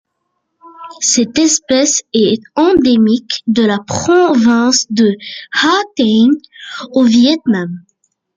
Cette espèce est endémique de la province de Hà Tĩnh au Viêt Nam.